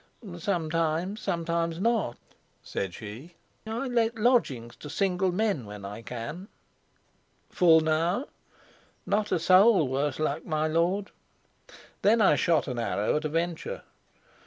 "Sometimes; sometimes not," said she. "I let lodgings to single men when I can." "Full now?" "Not a soul, worse luck, my lord." Then I shot an arrow at a venture.